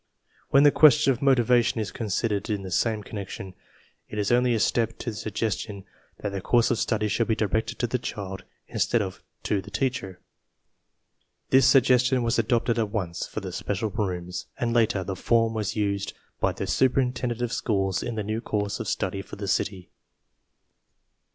When the question of motivation is considered in the same connection, it is only a step to the suggestion that the course of study should be directed to the child instead of to the teacher. This suggestion was adopted at once for the special rooms, and later the form was used by the superintendent of schools in the new course of study for the city.